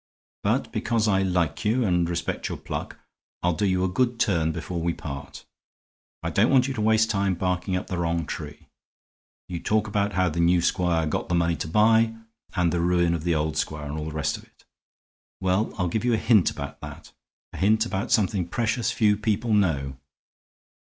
But because I like you and respect your pluck, I'll do you a good turn before we part. I don't want you to waste time barking up the wrong tree. You talk about how the new squire got the money to buy, and the ruin of the old squire, and all the rest of it. Well, I'll give you a hint about that, a hint about something precious few people know."